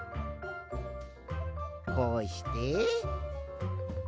こうして。